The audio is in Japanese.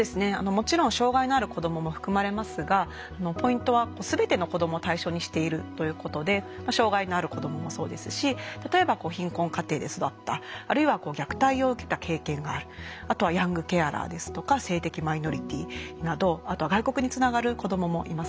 もちろん障害のある子どもも含まれますがポイントは全ての子どもを対象にしているということで障害のある子どももそうですし例えば貧困家庭で育ったあるいは虐待を受けた経験があるあとはヤングケアラーですとか性的マイノリティーなどあとは外国につながる子どももいますよね。